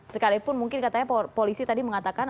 sekalipun mungkin katanya polisi tadi mengatakan